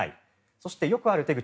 そして、よくある手口